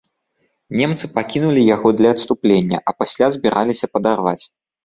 Немцы пакінулі яго для адступлення, а пасля збіраліся падарваць.